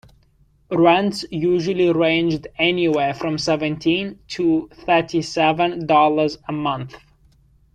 Rents usually ranged anywhere from seventeen to thirty-seven dollars a month.